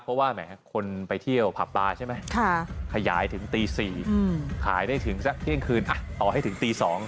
เพราะว่าแหมคนไปเที่ยวผับปลาใช่ไหมขยายถึงตี๔ขายได้ถึงสักเที่ยงคืนเอาให้ถึงตี๒